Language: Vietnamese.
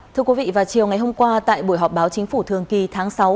thưa quý vị vào chiều ngày hôm qua tại buổi họp báo chính phủ thường kỳ tháng sáu